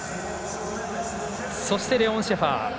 そしてレオン・シェファー。